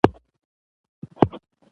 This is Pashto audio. ـ پردى بايسکل ښه ځغلي.